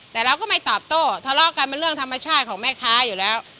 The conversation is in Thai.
แต่เราก็ไม่ตอบโต้ทะเลาะกันเป็นเรื่องธรรมชาติของแม่ค้าอยู่แล้ว